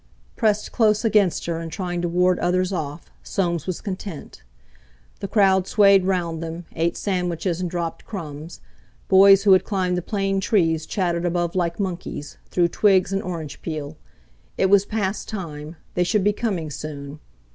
Pressed close against her and trying to ward others off, Soames was content. The crowd swayed round them, ate sandwiches and dropped crumbs; boys who had climbed the plane trees chattered above like monkeys, threw twigs and orange peel. It was past time; they should be coming soon!